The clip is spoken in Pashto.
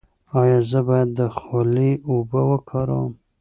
ایا زه باید د خولې اوبه وکاروم؟